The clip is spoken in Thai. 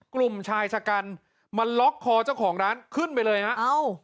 กลุ่มชายชะกันมาล็อกคอเจ้าของร้านขึ้นไปเลยฮะเอ้า